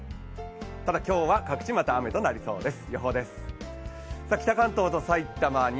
ただ今日は各地また雨となりそうです。